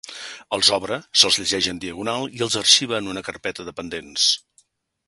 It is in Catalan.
Els obre, se'ls llegeix en diagonal i els arxiva en una carpeta de pendents.